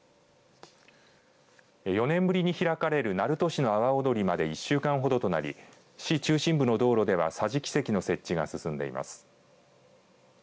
４年ぶりに開かれる鳴門市の阿波おどりまで１週間ほどとなり市中心部の道路では桟敷席の設置が進んでいます。